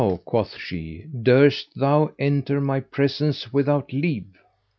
quoth she, "durst thou enter my presence without leave?"